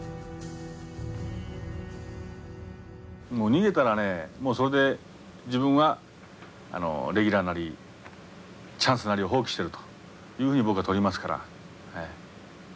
逃げたらねもうそれで自分はレギュラーなりチャンスなりを放棄してるというふうに僕はとりますから。